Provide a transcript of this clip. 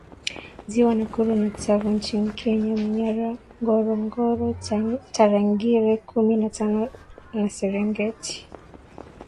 Ziwa Nakuru na Tsavo nchini Kenya Manyara Ngorongoro Tarangire kumi na tano na Serengeti